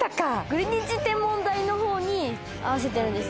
グリニッジ天文台の方に合わせてるんです。